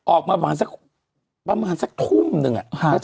ออกมาประมาณสักทุ่มนึงอ่ะ